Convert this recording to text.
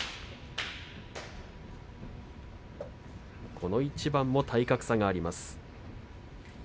この一番も体格差があります。